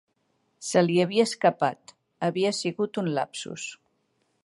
Se li havia escapat. Havia sigut un lapsus.